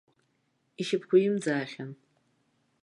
Ишьапқәа имӡаахьан.